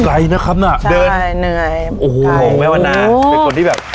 ใกล้นะครับน่ะเดินใช่เหนื่อยโอ้โหแม่วนะเป็นคนที่แบบ